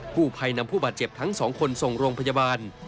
ผู้ภัยนำผู้บาดเจ็บทั้งสองคนส่งโรงพยาบาล